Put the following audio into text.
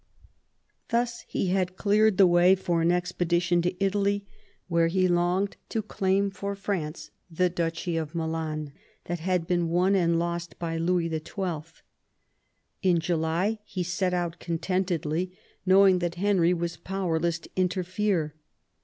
Thus he had cleared the way for an expeditioD to Italy, where he longed to claim for France the Duchy of Milan, that had been won and lost by Louis Xn. In July he set out contentedly, knowing that Henry was powerless to interfere.